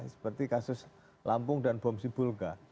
seperti kasus lampung dan bom sibulga